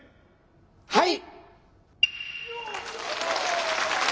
はい。